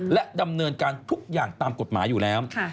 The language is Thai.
และดำเนินการทุกอย่างตามกฎหมายอยู่แล้ว